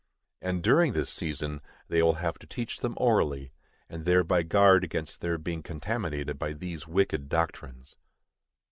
And during this season they will have to teach them orally, and thereby guard against their being contaminated by these wicked doctrines.